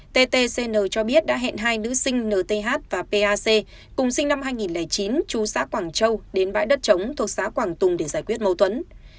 ttcn cho biết đã hẹn hai nữ sinh nth và pac cùng sinh năm hai nghìn chín chú xã quảng châu đến bãi đất trống thuộc xã quảng tùng để giải quyết mâu thuẫn